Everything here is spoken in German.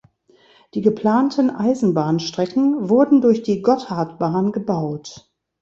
Die geplanten Eisenbahnstrecken wurden durch die Gotthardbahn gebaut.